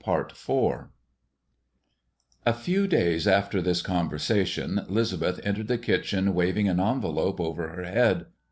IV A few days after this conversation, 'Lisbeth entered the kitchen waving an envelope over her head.